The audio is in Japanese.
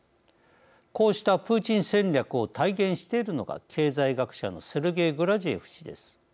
こうしたプーチン戦略を体現しているのが経済学者のセルゲイ・グラジエフ氏です。